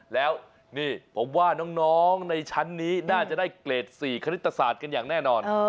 แล้วนี่ผมว่าน้องในชั้นนี้น่าจะได้เกรด๔คณิตศาสตร์กันอย่างแน่นอน